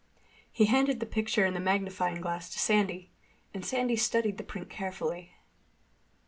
He handed the picture and the magnifying glass to Sandy, and Sandy studied the print carefully.